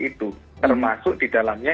itu termasuk di dalamnya